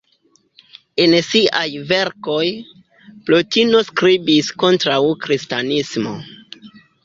En siaj verkoj, Plotino skribis kontraŭ kristanismo.